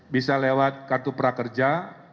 bisa lewat kartu prakerja